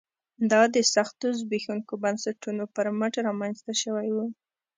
دا د سختو زبېښونکو بنسټونو پر مټ رامنځته شوی و